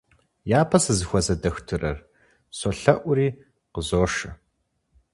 Япэ сызыхуэзэ дохутырыр, солъэӀури, къызошэ.